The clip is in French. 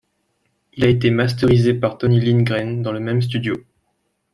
Il a été masterisé par Tony Lindgren, dans le même studio.